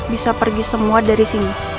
bisa pergi semua dari sini